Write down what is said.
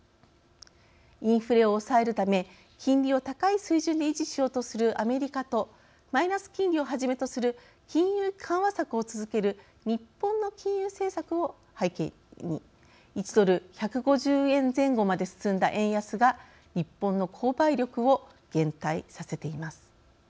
インフレを抑えるため金利を高い水準で維持しようとするアメリカとマイナス金利をはじめとする金融緩和策を続ける日本の金融政策を背景に１ドル１５０円前後まで進んだ円安が日本の購買力を減退させています。